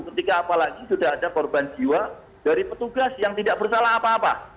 ketika apalagi sudah ada korban jiwa dari petugas yang tidak bersalah apa apa